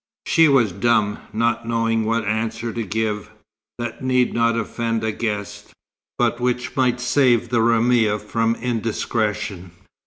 She was dumb, not knowing what answer to give, that need not offend a guest, but which might save the Roumia from indiscretion.